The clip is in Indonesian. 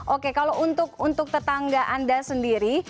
oke kalau untuk tetangga anda sendiri